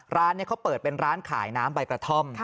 ร้านนี้เขาเปิดเป็นร้านขายน้ำใบกระท่อม